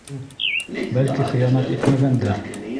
Ул, бәлки, хыянат итмәгәндер.